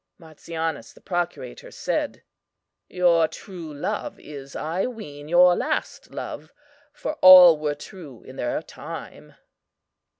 "MARTIANUS, the procurator, said: Your true love is, I ween, your last love; for all were true in their time.